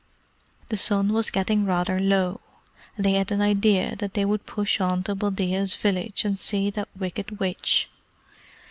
The sun was getting rather low, and they had an idea that they would push on to Buldeo's village and see that wicked witch.